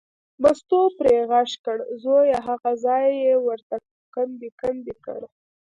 مستو پرې غږ کړ، زویه هغه ځای یې ورته کندې کندې کړ.